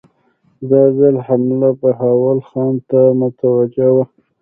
دا ځل حمله بهاول خان ته متوجه وه.